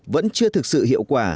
vẫn chưa thực sự hiệu quả